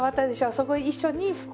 そこ一緒に拭く。